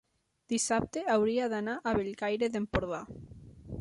dissabte hauria d'anar a Bellcaire d'Empordà.